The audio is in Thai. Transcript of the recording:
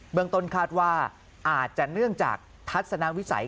เมืองต้นคาดว่าอาจจะเนื่องจากทัศนวิสัย